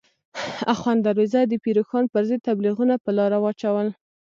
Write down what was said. اخوند درویزه د پیر روښان پر ضد تبلیغونه په لاره واچول.